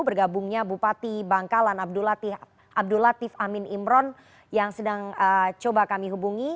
bergabungnya bupati bangkalan abdul latif amin imron yang sedang coba kami hubungi